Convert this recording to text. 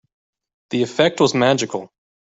The effect was magical.